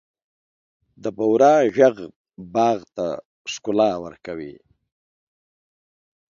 د بورا ږغ باغ ته ښکلا ورکوي.